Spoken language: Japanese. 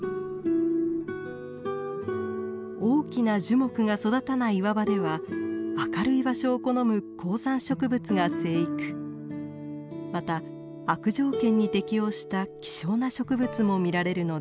大きな樹木が育たない岩場では明るい場所を好む高山植物が生育また悪条件に適応した希少な植物も見られるのです。